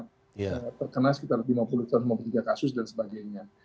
terkena sekitar lima puluh tahun lima puluh tiga kasus dan sebagainya